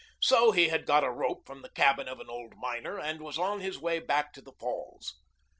So he had got a rope from the cabin of an old miner and was on his way back to the falls.